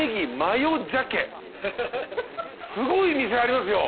すごい店ありますよ。